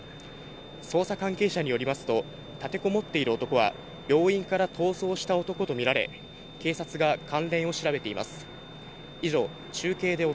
捜査関係者によりますと、立てこもっている男は、病院から逃走した男と見られ、警察が関連を調べています。